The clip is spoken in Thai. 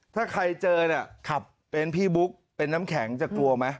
ถ้าใครเจอเนี่ยเป็นพี่บุ๊กเป็นน้ำแข็งจะกลัวไหม